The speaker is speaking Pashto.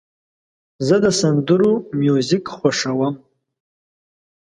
زه د سندرو میوزیک خوښوم.